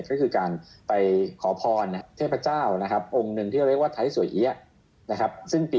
ก็คือการไปขอพรเทพเจ้านะครับ